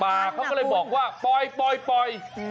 เขาก็เลยบอกว่าปล่อย